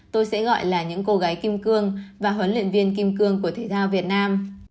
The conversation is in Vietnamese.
tôi sẽ gọi là những cô gái kim cương và huấn luyện viên kim cương của thể thao việt nam